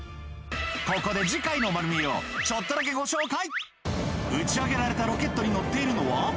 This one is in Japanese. ここで次回のまる見え！をちょっとだけご紹介。